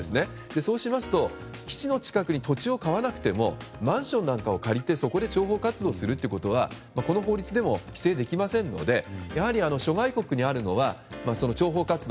そうしますと基地の近くに土地を買わなくてもマンションなんかを借りてそこで諜報活動するということはこの法律でも規制できませんので諸外国にあるのは諜報活動